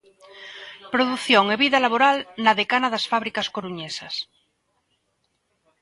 Produción e vida laboral na decana das fábricas coruñesas.